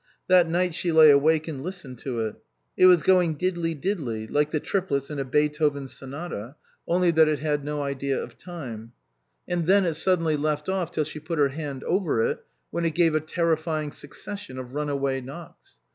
That night she lay awake and listened to it. It was going diddledy, diddledy, like the triplets in a Beethoven sonata (only that it had 296 THROUGH THE STETHOSCOPE no idea of time) ; then it suddenly left off till she put her hand over it, when it gave a terri fying succession of runaway knocks.